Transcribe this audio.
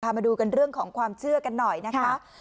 มาดูกันเรื่องของความเชื่อกันหน่อยนะคะ